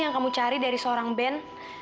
kamu nggak pernah cari dari seorang ben